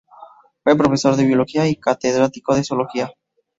Fue Profesor de biología y catedrático de zoología.